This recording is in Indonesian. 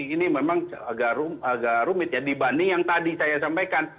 ini memang agak rumit ya dibanding yang tadi saya sampaikan